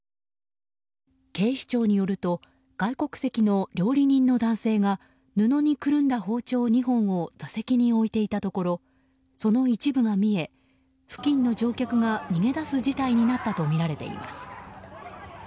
警視庁によると外国籍の料理人の男性が布にくるんだ包丁２本を座席に置いていたところその一部が見え付近の乗客が逃げ出す事態になったとみられています。